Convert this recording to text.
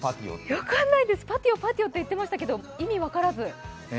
分かんないです、パティオ、パティオって言ってましたが意味は分からず。